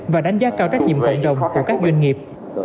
và đánh giá cao trách nhiệm cộng đồng của các doanh nghiệp